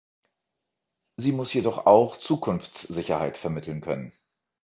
Sie muss jedoch auch Zukunftssicherheit vermitteln können.